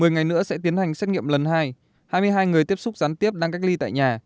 một mươi ngày nữa sẽ tiến hành xét nghiệm lần hai hai mươi hai người tiếp xúc gián tiếp đang cách ly tại nhà